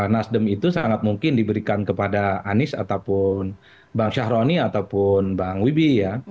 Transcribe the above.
nasdem itu sangat mungkin diberikan kepada anies ataupun bang syahroni ataupun bang wibi ya